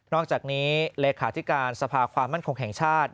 อกจากนี้เลขาธิการสภาความมั่นคงแห่งชาติ